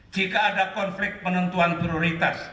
jika ada konflik penentuan prioritas